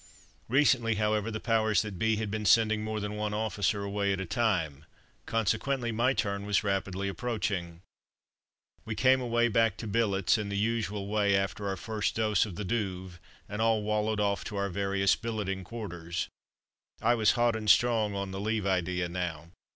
Recently, however, the powers that be had been sending more than one officer away at a time; consequently my turn was rapidly approaching. We came away back to billets in the usual way after our first dose of the Douve, and all wallowed off to our various billeting quarters. I was hot and strong on the leave idea now.